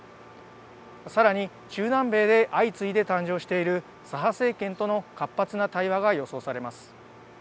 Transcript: さらに中南米で相次いで誕生している左派政権との活発な対話が予想されます。